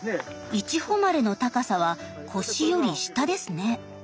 いちほまれの高さは腰より下ですね。